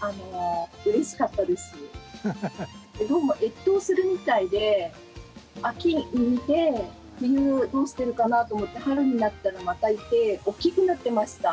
どうも越冬するみたいで秋に見て冬どうしてるかなと思って春になったらまたいて大きくなってました。